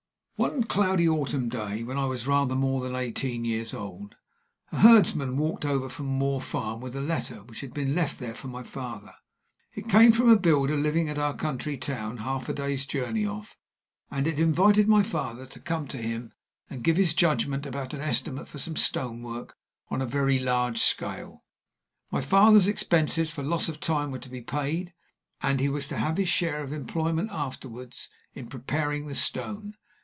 One cloudy autumn day, when I was rather more than eighteen years old, a herdsman walked over from Moor Farm with a letter which had been left there for my father. It came from a builder living at our county town, half a day's journey off, and it invited my father to come to him and give his judgment about an estimate for some stonework on a very large scale. My father's expenses for loss of time were to be paid, and he was to have his share of employment afterwards in preparing the stone.